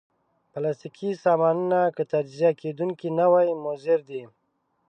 پلاستيکي سامانونه که تجزیه کېدونکي نه وي، مضر دي.